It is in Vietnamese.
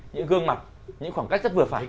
những gương mặt những khoảng cách rất vừa phải